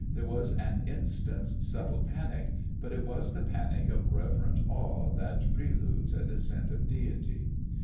There was an instant's subtle panic, but it was the panic of reverent awe that preludes a descent of deity.